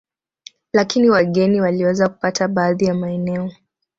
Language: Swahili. Lakini wageni waliweza kupata baadhi ya maeneo